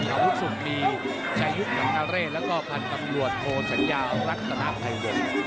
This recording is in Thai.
ลุกสุดมีชายุทธ์นังการเรชและก็พันธุ์กำรวจโทษสัญญาณรักษณะไทยเดิม